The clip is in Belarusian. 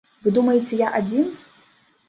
Вы думаеце я адзін?